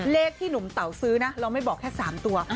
เลขที่หนุ่มเต๋าซื้อนะเราไม่บอกแค่๓ตัว